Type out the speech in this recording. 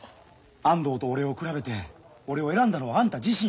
安藤と俺を比べて俺を選んだのはあんた自身や。